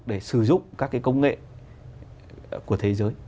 để sử dụng các công nghệ